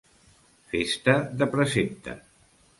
Festa de precepte.